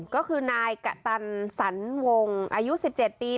ก็คือนายกะตันสรรวงอายุ๑๗ปี